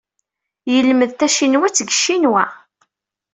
Yelmed tacinwat deg Ccinwa.